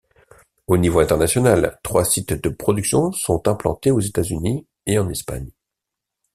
Au niveau international, trois sites de production sont implantés aux États-Unis et en Espagne.